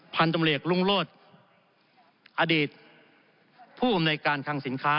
พันธุ์ตำรวจเอกรุงโลศอดีตผู้อำนวยการคังสินค้า